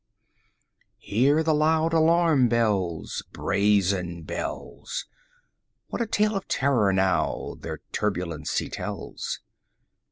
35 III Hear the loud alarum bells, Brazen bells! What a tale of terror, now, their turbulency tells!